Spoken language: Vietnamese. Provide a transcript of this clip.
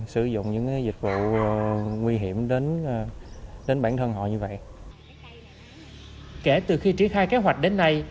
sử dụng những dịch vụ nguy hiểm đến bản thân họ như vậy kể từ khi triển khai kế hoạch đến nay